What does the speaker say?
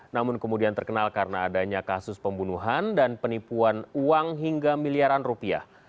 namun kemudian terkenal karena adanya kasus pembunuhan dan penipuan uang hingga miliaran rupiah